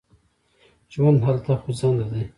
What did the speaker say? ژوند هلته خوځنده دی.